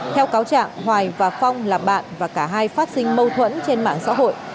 theo cáo trạng hoài và phong là bạn và cả hai phát sinh mâu thuẫn trên mạng xã hội